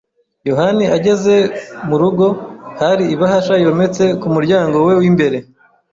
yohani ageze murugo, hari ibahasha yometse ku muryango we w'imbere.